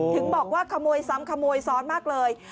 ถึงบอกว่าขโมยซ้ำขโมยซ้อนมากเลย